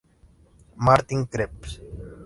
Martín Krebs.